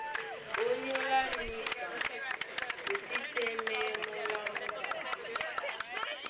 Ónyólá níka o sí tɛ́mɛ́yɛ́ mɔ́ lá mbúsa.